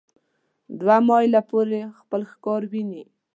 دوه مایله پورې خپل ښکار ویني.